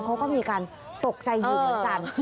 เขาก็มีการตกใจอยู่เหมือนกัน